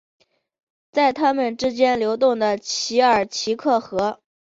在他们之间流动的奇尔奇克河。